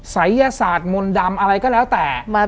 ศัยยศาสตร์มนต์ดำอะไรก็แล้วแต่